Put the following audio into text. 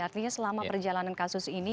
artinya selama perjalanan kasus ini